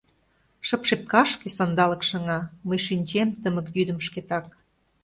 Шып шепкашке Сандалык шыҥа. Мый шинчем тымык йӱдым шкетак.